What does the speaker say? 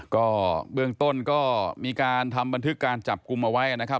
ก็เบื้องต้นก็มีการทำบันทึกการจับกลุ่มเอาไว้นะครับ